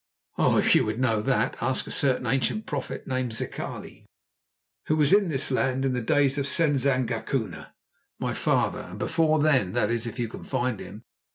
"Oh! if you would know that, ask a certain ancient prophet named Zikali, who was in this land in the days of Senzangacona, my father, and before then—that is, if you can find him.